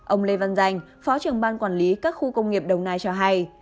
ông lê văn danh phó trưởng ban quản lý các khu công nghiệp đồng nai cho hay